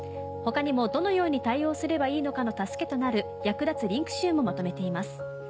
他にもどのように対応すればいいのかの助けとなる役立つリンク集もまとめています。